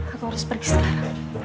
aku harus pergi sekarang